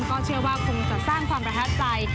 ก็เชื่อว่าคงจะสร้างความประทับใจ